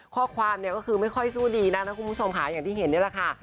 ข้อความเนี่ยก็คือไม่ค่อยสู้ดีนักนะคุณผู้ชมค่ะอย่างที่เห็นนี่แหละค่ะ